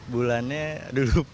bulannya udah lupa